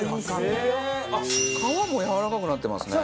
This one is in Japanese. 皮もやわらかくなってますね。